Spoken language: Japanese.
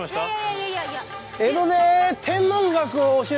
いやいやいや。